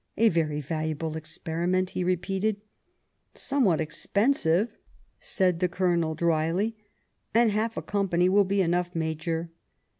"A very valuable experiment," he repeated. "Somewhat expensive," said the Colonel dryly; "and half a company will be enough, Major."